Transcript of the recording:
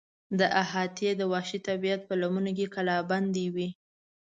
دا احاطې د وحشي طبیعت په لمنو کې کلابندې وې.